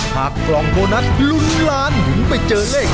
ถ้ากล้องโบนัสหลุนล้านยุ่งไปเจอเลข